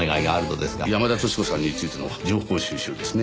山田淑子さんについての情報収集ですね？